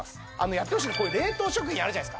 やってほしいの冷凍食品あるじゃないですか。